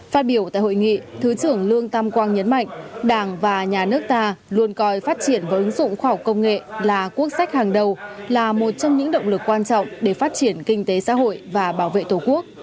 phát biểu tại hội nghị thứ trưởng lương tam quang nhấn mạnh đảng và nhà nước ta luôn coi phát triển và ứng dụng khoa học công nghệ là quốc sách hàng đầu là một trong những động lực quan trọng để phát triển kinh tế xã hội và bảo vệ tổ quốc